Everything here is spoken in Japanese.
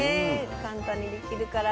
簡単にできるから。